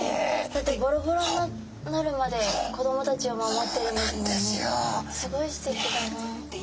だってボロボロになるまで子供たちを守ってるんですもんね。